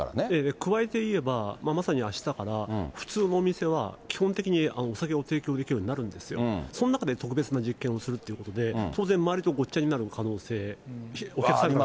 加えて言えば、まさにあしたから、普通のお店は、基本的にお酒を提供できるようになるんですけど、その中で特別な実験をするということで、当然、周りとごっちゃになる可能性、お客さん。